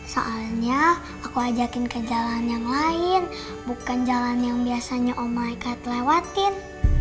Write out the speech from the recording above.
soalnya aku ajakin ke jalan yang lain bukan jalan yang biasanya om maikat lewatin